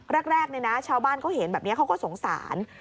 แรกชาวบ้านเขาเห็นแบบนี้เขาก็สงสาร